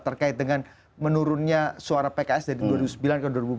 terkait dengan menurunnya suara pks dari dua ribu sembilan ke dua ribu empat belas